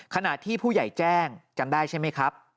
ขณะที่ผู้ใหญ่แจ้งจำได้ใช่ไหมครับ